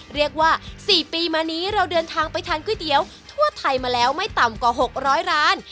เรียกว่า๔ปีมานี้เราเดินทางไปทานก๋วยเตี๋ยวทั่วไทยมาแล้วไม่ต่ำกว่า๖๐๐ร้าน